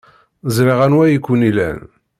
Ẓriɣ anwa ay ken-ilan.